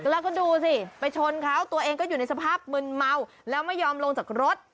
แล้วก็ดูสิไปชนเขาตัวเองก็อยู่ในสภาพมึนเมาแล้วไม่ยอมลงจากรถ